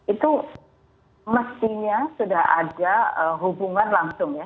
itu mestinya sudah ada hubungan langsung ya